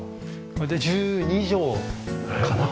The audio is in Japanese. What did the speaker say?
これで１２畳かな。